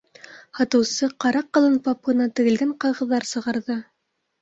- Һатыусы ҡара ҡалын папканан тегелгән ҡағыҙҙар сығарҙы.